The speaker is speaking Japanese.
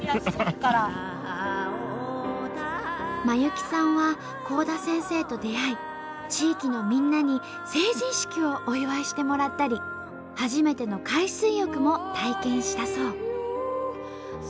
真佑希さんは幸多先生と出会い地域のみんなに成人式をお祝いしてもらったり初めての海水浴も体験したそう。